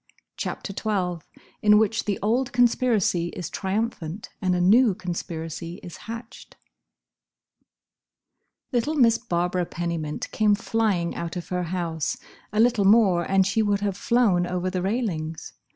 *CHAPTER XII* *IN WHICH THE OLD CONSPIRACY IS TRIUMPHANT AND A NEW CONSPIRACY IS HATCHED* [Illustration: Chapter XII headpiece] Little Miss Barbara Pennymint came flying out of her house: a little more and she would have flown over the railings.